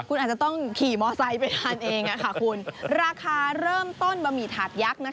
คุณอาจจะต้องขี่มอไซค์ไปทานเองคุณราคาเริ่มต้นบะหมี่ถาดยักษ์